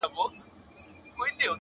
• مګر اوس نوی دور نوی فکر نوی افغان,